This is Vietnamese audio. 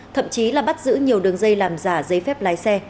thậm chí là bắt giữ nhiều đường dây làm giả giấy phép lái xe